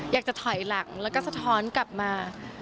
อยากจะถอยหลังแล้วก็สะท้อนกลับมา